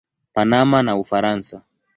Panama na Ufaransa.